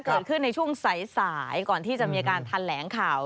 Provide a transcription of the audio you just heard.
เกิดขึ้นในช่วงสายก่อนที่จะมีการทันแหลงข่าว